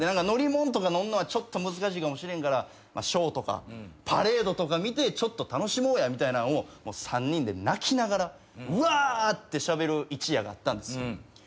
「乗りもんとか乗るのはちょっと難しいかもしれんからショーとかパレードとか見てちょっと楽しもうや」みたいなんを３人で泣きながらウワーってしゃべる一夜があったんですよ。